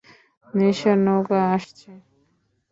নেশার নৌকা আসছে।